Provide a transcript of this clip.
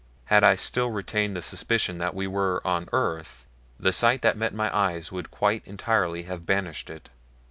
Had I still retained the suspicion that we were on earth the sight that met my eyes would quite entirely have banished it.